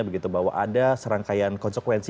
begitu bahwa ada serangkaian konsekuensi